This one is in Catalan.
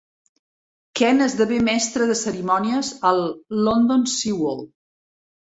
Ken esdevé mestre de cerimònies al London Sea World.